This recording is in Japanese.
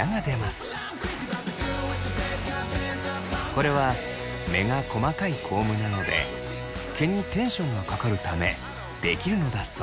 これは目が細かいコームなので毛にテンションがかかるためできるのだそう。